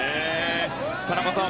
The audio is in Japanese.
田中さん